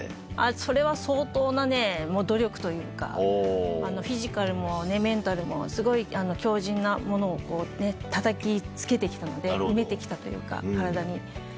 それは相当なね、もう努力というか、フィジカルもメンタルも、すごい強じんなものをたたきつけてきたので、秘めてきたというか、体に。